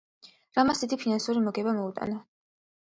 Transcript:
რამაც დიდი ფინანსური მოგება მოუტანა.